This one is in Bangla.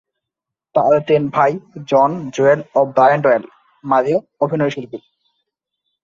তার তিন ভাই জন, জোয়েল ও ব্রায়ান ডয়েল-মারিও অভিনয়শিল্পী।